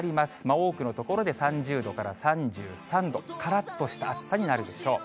多くの所で３０度から３３度、からっとした暑さになるでしょう。